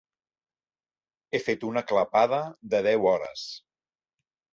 He fet una clapada de deu hores.